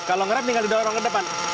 kalau nge rem tinggal di dalam ke depan